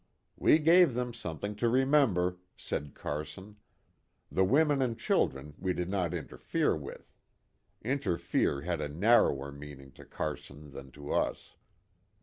" We gave them something to remember," said Carson ;" the women and children we did not interfere with." (" Interfere " had a narrower meaning to Carson than to us.)